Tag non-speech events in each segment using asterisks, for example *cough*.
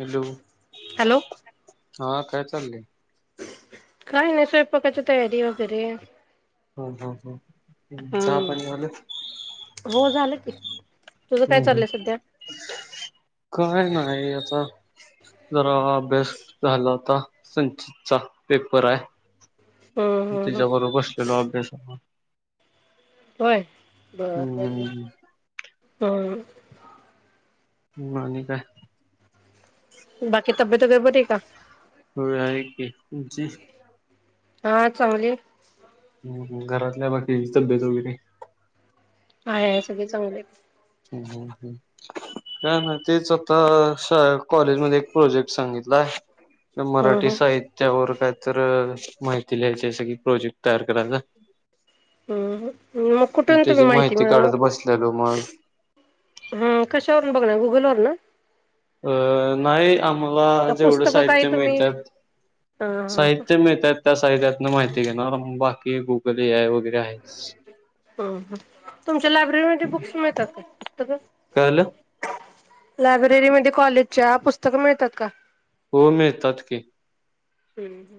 Hello hello. हा काय... चाललंय... नाही स्वयंपाकाची तयारी वैगेरे... हम्म हां -हां चहा पाणी झालं. हो झालं की तुझं काय हम्म चाललंय सध्या... काय नाही आता जरा अभ्यास झाला होता. संचितचा पेपर हम्म आहे हम्म हम्म त्याच्या बरोबर बसलेलो अभ्यासाला. होय बर -बर हम्म हम्म.. मग आणि काय... बाकी तब्येत का बर आहे का... होय आहे की तुमची... हा चांगली आहे. घरातल्या बाकींची तब्येत वगैरे... आहे -आहे सगळे चांगले आहेत. अं -अं हां - हां तेच आता साहेब.... कॉलेज मध्ये एक प्रोजेक्ट सांगितला आहे. हम्म मराठी हम्म साहित्यावर काय तर माहिती लिहायचे सगळी की प्रोजेक्ट... तयार करायच आहे. हम्म म्म मग कुठून तुम्ही माहिती मिळवलात. काढत बसलेलो मग हम्म कशावरून बघणार गुगल वरण अ नाही आम्हाला का जेवढ पुस्तकं काही साहित्य तुम्ही मिळतात. हा हा साहित्य मिळतात त्या साहित्यातून माहिती घेणार बाकी बघू... वगैरे आहे. हां तूमच्या लायब्ररीमध्ये बुक्स मिळतात का पुस्तक! कळालं लायब्ररीमध्ये कॉलेजच्या पुस्तक मिळतात का? हो मिळतात की... हम्म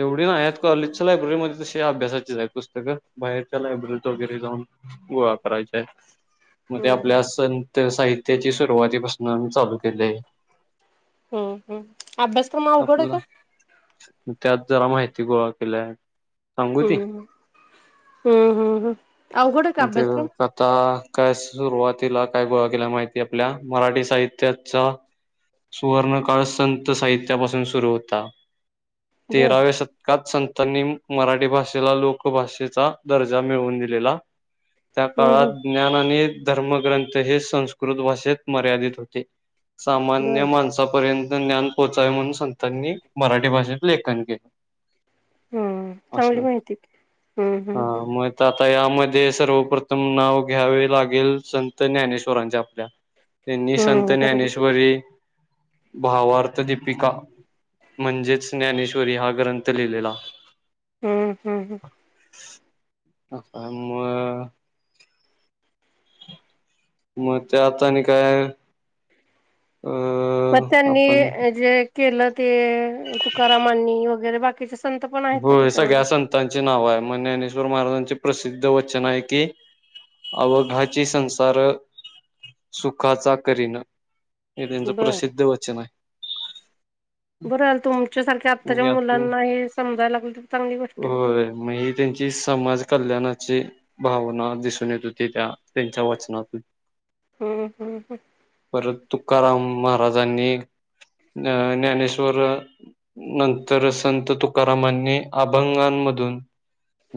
एवढी नाही आहेत कॉलेजच्या लायब्ररीमध्ये - तशी अभ्यासाचेच आहे पुस्तकं बाहेरच्या लायब्ररीत वगैरे जाऊन करायचे आहे. मग हम्म आपल्या संत साहित्याची सुरुवातीपासून चालू केले आहे. हम्म हम्म अभ्यासक्रम अवघड आहे आपला का? त्यात जरा माहिती गोळा केल्या. सांगू ती हम्म हम्म हम्म हम्म. अवघड आहे का मग ते अभ्यासक्रम? आता काय सुरुवातीला काय गोळा केला माहिती आपल्या मराठी साहित्याचा सुवर्णकाळ संत साहित्यापासून सुरू होता. बर तेराव्या शतकात संत त्यांनी मराठी भाषेला लोकभाषेचा दर्जा मिळवून दिलेला त्या हम्म हम्म काळात ज्ञान आणि धर्मग्रंथ हे संस्कृत भाषेत मर्यादित होते. सामान्य बर माणसापर्यंत ज्ञान पोहोचावे म्हणून संतांनी मराठी भाषा लेखन केलं हम्म चांगली असं माहिती हम्म हम्म हां माहित त्या यामध्ये सर्वप्रथम नाव घ्यावे लागेल संत ज्ञानेश्वरांच्या आपल्या त्यांनी हम्म संत हम्म बरोबर ज्ञानेश्वरी भावार्थ दीपिका म्हणजेच ज्ञानेश्वरी हा ग्रंथ लिहिलेला. हम्म हम्म हम्म. हां म मग ते आता आणि काय अ मग आपण त्यांनी जे केलं ते तुकारामांनी वगैरे बाकीच्या स हो हे सगळ्या संतांचे नाव आहे मग ज्ञानेश्वर महाराजांची प्रसिद्ध वचना आहे की अवघाची संसार सुखाचा करीनं हे त्यांचं बर प्रसिद्ध वचन आहे. बरंल झाल तुमच्या सारख्या आहे आत्ताच्या यातून मुलांना हे सम होय मग ही त्यांची समाज कल्याण चे भावना दिसून येत होती त्या त्यांच्या वचनातून हम्म हम्म परत तु परत तुका तुकाराम महाराजांनी अ ज्ञानेश्वर नंतर संत तु तुकारामाने अभंगांमधून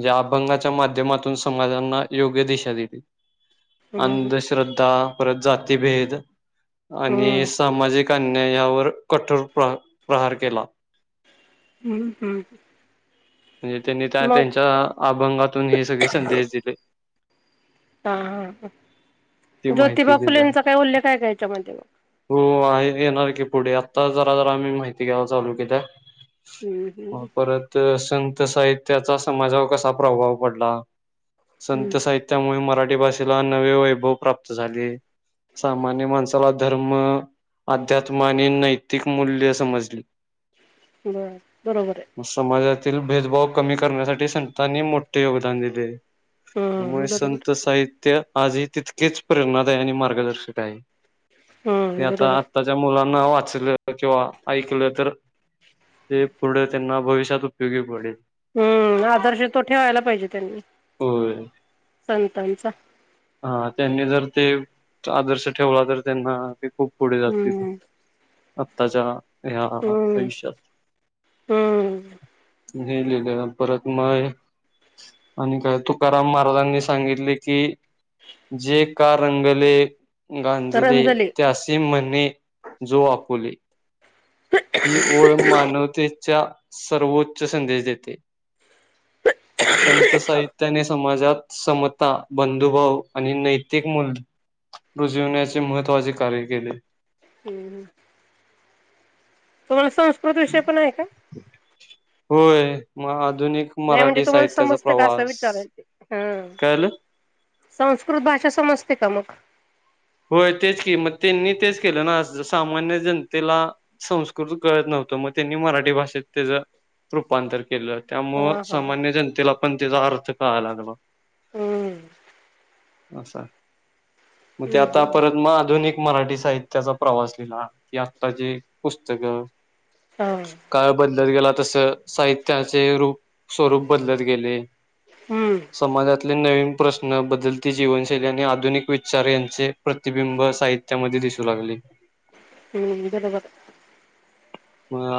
ज्या अभंगाच्या माध्यमातून समाजांना योग्य दिशा दिली. हम्म हम्म अंधश्रद्धा परत जातीभेद हम्म आणि सामाजिक अन्यायावर कठोर प्र प्रहार केला हम्म हम्म. म्हणजे त्यांनी त्या मग त्यांच्या अभंगातून हे सगळे संदेश दिले. हा हा हा. ती माहिती ज्योतिबा दिली फुलेंचा काही उल्लेख आहे का याच्यामध्ये? हो आहे येणार की पुढे आ आता जरा जरा आम्ही माहिती घ्या चालू केल्या हम्म हम्म परत संत साहित्याचा समाजावर कसा प्रभाव पडला हम्म संत साहित्यामुळे मराठी ठी भाषेला नवे वैभव प्राप्त झाले. सामान्य माणसाला धर्म अध्यात्म आणि नैतिक मूल्य समजली बर बरोबर आहे. तील भेदभाव कमी करण्यासाठी संतांनी मोठे योगदान दिले. हम्म त्यामुळे बरोबर संत साहित्य आज ही तितकीेच प्रेरणादायी आणि मार्गदर्शक आहे. ते हम्म आता बरोबर आत्ताच्या मुलांना वाट अस किंवा ऐकलं तर ते पुढे त्यांना भविष्यात उपयोगी पडेल. हम्म आदर्श तो ठेवायला पाहिजे त्यांनी होय संतांचा हा त्यांनी जर ते आदर्श ठेवला तर त्यांना खूप पुढे जातील हम्म आत्ताच्या ह्या हम्म आयुष्यात हम्म नाही लिले *unintelligible* परत मय आणि काय तुकाराम महाराजांनी सांगितले की जे का रंगले गांजले तरंजले त्यासे म्हणे जो आपुले ही ओळ मानवतेच्या सर्वोच्च संदेश देते संत साहित्याने समाजात समता बंधुभाव आणि नैतिक मूल रुजवण्याचे महत्वाचे कार्य केले हम्म *unintelligible* प्रदूष्य *unintelligible* पण आहे का होय मग आधुनिक नाही म्हणजे मराठी साहित्याचा प्रवास ह कळालं? संस्कृत भाषा समजते का मग होय तेच की मग त्यांनी तेच केलं ना सामान्य जनतेला संस्कृत कळत नव्हत मग त्यांनी मराठी भाषेत त्याच रूपांतर केलं त्यामुळं हा हा हा सामान्य जनतेला पण त्याचा अर्थ कळाला बा हम्म असा मग ते हम्म आता हम्म परत मग आधुनिक मराठी साहित्याचा प्रवास लिहिला की आत्ता जे पुस्तकं हा काळ बदलत गेला तस साहित्याचे रूप स्वरूप बदलत गेले हम्म समाजातले नवीन प्रश्न बदलती जीवनशैली आणि आधुनिक विचार यंत चे प्रतिबिंब साहित्यामध्ये दिसू लागले. हुं बरोबर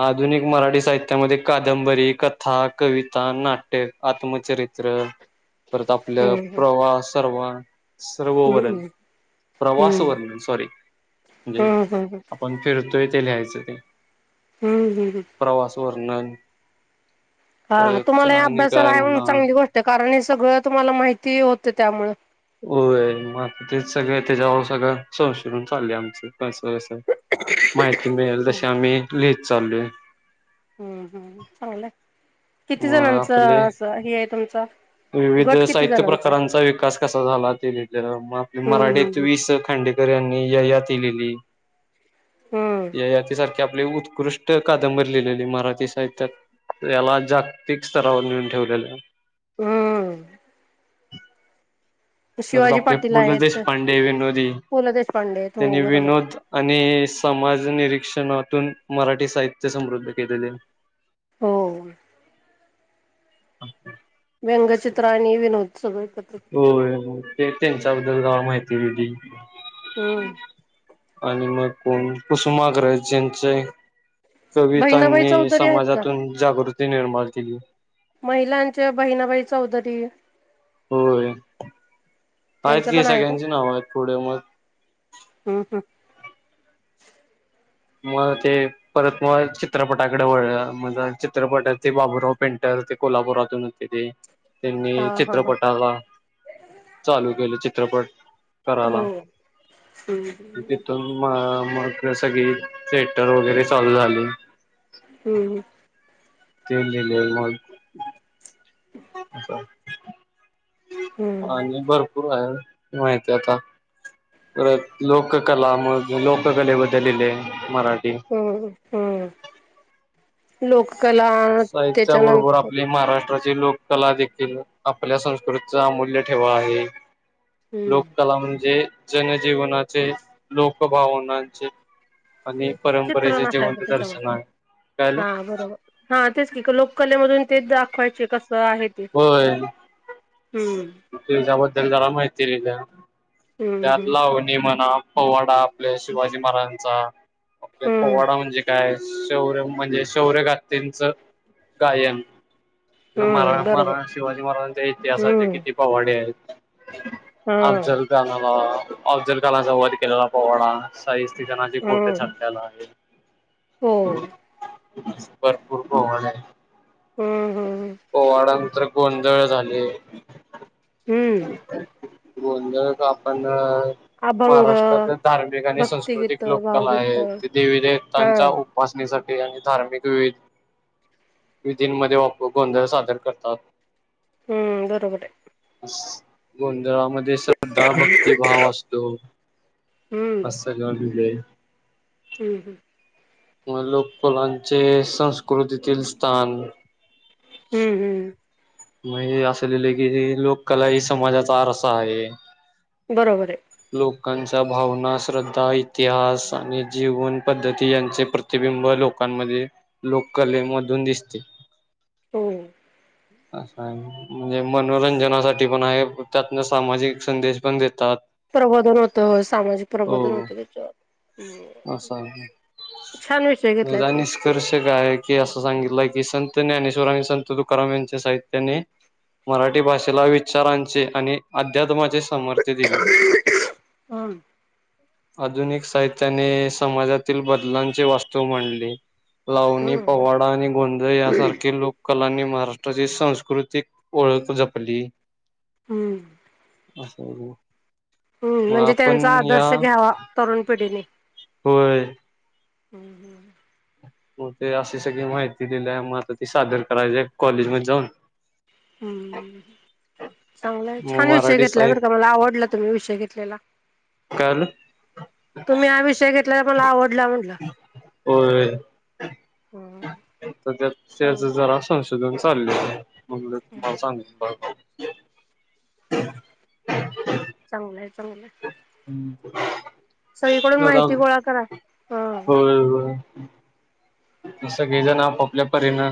आधुनिक मराठी साहित्यामध्ये कादंबरी, कथा, कविता, नाट्य, आत्म चरित्र परत आपलं हम्म हम्म प्रवास सर्व वर्णन हम्म प्रवास हम्म वर्णन सॉरी म्हणजे हम्म हम्म हम्म आपण फिरतोय ते लिहायचं ते हुं हुं हुं नंन हा हा तुम्हाला हे अभ्यासाला आहे म्हणून चांगली गोष्ट आहे कारण हे सगळं तुम्हाला माहिती होत त्यामुळ होय म तेच सगळ त्याच्यावर सगळं संशोधन चाललय आमचं जसं जसं माहिती मिळेल हम्म तशी आम्ही लिहित चाललोय हम् हम् चांगलंय किती मग जणांच आपले अस हे आहे तुमचं विविध साहित्य प्रकारांचा विकास कसा झाला ते लिहितोय हम्म मराठीत हम्म वि. स. खांडेकर यांनी ययाती लिहिली. हम्म ययातीसारखी आपली उत्कृष्ट कादंबरी लिहिलेली मराठी साहित्यात याला जागतिक स्तरावर नेऊन ठेवलेलं आहे हम्म हम्म परत शिवाजी आपले पाटील पु ल आहेत. देशपांडे विनोदी पु ल देशपांडे आहेत हो त्यांनी बरोबर विनोद आणि समाज निरीक्षणातून मराठी साहित्य समृद्ध केलेले आहे हो अशा व्यंगचित्र आणि विनोद सगळे हो ते त्यांच्याबद्दल जरा माहिती दिली हुं आणि मग कोण कुसुमाग्रज याचं बहिणाबाई कवितांनी चौधरी आहेत का? समाजातून जागृती निर्माण केली महिलांच्या बहिणाबाई चौधरी होय आहेत त्यांचं की पण आहे का? सगळ्यांचे नाव आहेत पुढे मग हम्म हम्म मग ते परत मग चित्रपटाकडे वळलं मग जरा चित्रपटांत ते बाबूराव पेंटर ते कोल्हापुरातून होते ते त्यांनी हा हा हा चित्रपटाला चालू केले चित्रपट करायला हो हम्म तिथून म मग सगळी थिएटर वगैरे चालू झाले हुं हुं ते लिहिलंय मग *unintelligible* अ हम्म आणि भरपूर आहे माहिती आता परत लोककला म लोककलेबद्दल लिहिलंय मराठी हम्म हम्म लोककला साहित्या बरोबर त्याच्यानंतर आपली महारा ष्ट्राची लोककला देखील आपल्या संस्कृतीचार अमूल्य ठेवा आहे. हम्म लोककला म्हणजे जनजीवनाचे लोकभावनांचे आणि चित्र परंपरेचे नसायचं जिवंत दर्शन त्याच्यामध्ये आहे काय झालं हा बरोबर हा तेच की लोककलेमधून तेच दाखवायचे कस होय हम्म तेज्या ब द्दल जरा माहिती लिहिल्या हम्म त्यात हम्म लावणी म्हणा पवाडा आपल्या शिवाजी महाराजांचा आपल्या हम्म पवाडा म्हणजे काय? शौर्य म्हणजे शौर्य गाथीनच गायन मरा हम्म बरोबर महाराज शिवाजी महाराजांच्या इतिहासाचे हम्म किती पवाडे आहेत हा अफ्जल खनाला अफजुल कानाचा वाद केलेला पवडा शाहीस हम्म *unintelligible* हो भरपूर होवण आहे. हम्म हम्म पोवाडांंतर गोंधळ झाले. हम्म. गोंधळच आपण अभंग महाराष्ट्रातील धार्मिक आणि सांस्कृतिक भक्तिगीत लोककला भावगीत आहे देवी हा देवतांच्या उपासनेसाठी आणि धार्मिक विविध विधीमध्ये गोंधळ सादर करतात हम्म बरोबर आहे. गोंधळामध्ये श्रद्धा भक्तीभाव असतो. असलल *unintelligible* हम्म हम्म. म लोककलांचे संस्कृतीतील स्थान हम्म हम्म. म्हणजे असं लिहिलं की लोककला ही समाजाचा आरसा आहे. बरोबर आहे. त लोकां भावना श्रद्धा इतिहास आणि जीवन पद्धती यांचे प्रतिबिंब लोकांमध्ये लोककले मधून दिसते. हो. अस आहे म्हणजे मनोरंजनासाठी पण आहे त्यातन सामाजिक संदेश पण देतात. प्रबोधन होतं सामाजिक प्रबोधन हो होतं त्याच्यावर हम्म. छान विषय घेतलाय हेजा तुम्ही. निष्कर्ष काय कि असं सांगितलं की सं ते ज्ञानेश्वर आणि संत तुकाराम यांचे साह्य त्यानी मराठी भाषेला विचारांचे आणि अध्यात्माचे सा समर्थ दिले. हम्म. आधुनिक साहित्याने समाजातील बदलांची वास्तू मांडली. लावणी पवाडा आणि गोंधळ यासारखे लोककलांनी आणि महाराष्ट्राचे संस्कृ कृतीक ओळख जपली. हम्म. असं हाय ओ. हम्म म्हणजे त्यांचा आदर्श घ्यावा तरुण पिढीने होय हम्म हम्म. हो ते अशी सगळी माहिती दिली आहे म आता ती सादर करायची कॉलेज मध्ये जाऊन. हम्म चांगलंय मग छान विषय मराठी घेतलाय बर का साहित्य मला आवडला तुम्ही विषय घेतलेला. काल. लय मला आवडला म्हटलं. होय हम्म तर त्या त्याच चांगलं जरा अस शधून चालले मग तुम्हाला सांगु परत *inaudible* चांगलंय चांगलंय. हम्म सगळीकडून माहिती गोळा *unintelligible* करा. हम्म होय हो. सगळे जण आपापल्या परिणा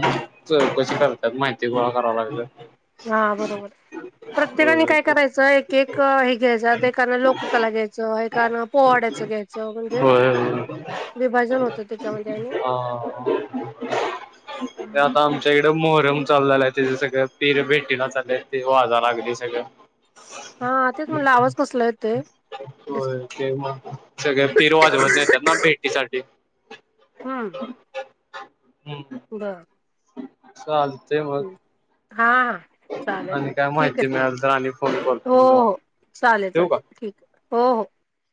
कशी करतात माहिती गोळा करावं लागल हा बरोबर. प्रत्येकाने होय काय करायचं एक एक हे घ्यायचं एकानं लोककला घ्यायचं एकानं पोवाड्यात घ्यायचं म्हणजे होय. विभाजन होतं त्याच्यामध्ये आणि ते आता आमच्या हिकडं. मोहरम चालू झालाय त्या सगळं पीर भेटीला चाले ते वाजा लागली सगळं हा तेच म्हटलं आवाज कसला येतोय. दिस होय ते मग सगळे पिर वाजवत नेतात ना भेटीसाठी. हम कड चालते मग हा चालेल आणि चाले काय ठीक माहिती मिळाल तर आणि फोन आहे करतो हो मग तुम्हाला हो चालेल ठेवू चालेल का? ठीक आहे हो हो